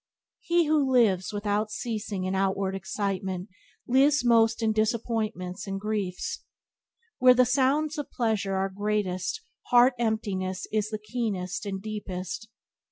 He who lives, without ceasing in outward excitement lives most in disappointments and griefs. Where the sounds of pleasure are greatest heart emptiness is the keenest and deepest.